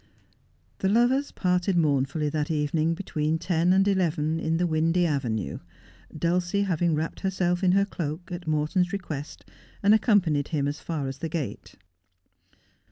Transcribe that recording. The lovers parted mournfully that evening, between ten aDd eleven, in the windy avenue, Dulcie having wrapped herself in her cloak, at Morton's request, and accompanied him as far as the gate.